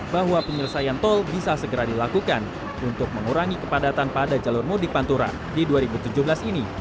bahwa penyelesaian tol bisa segera dilakukan untuk mengurangi kepadatan pada jalur mudik pantura di dua ribu tujuh belas ini